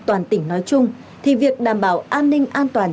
toàn tỉnh nói chung thì việc đảm bảo an ninh an toàn